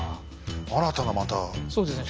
新たなまた展開ですね。